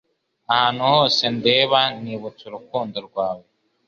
Ahantu hose ndeba nibutse urukundo rwawe